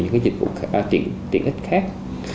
những cái dịch vụ tiện ích khác